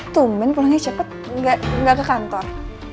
tumben pulangnya cepet gak ke kantor